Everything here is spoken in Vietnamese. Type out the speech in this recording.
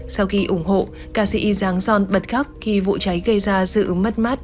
sau khi ủng hộ ca sĩ y giáng son bật khóc khi vụ cháy gây ra sự mất mát